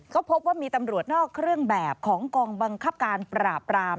ก็พบว่ามีตำรวจนอกเครื่องแบบของกองบังคับการปราบราม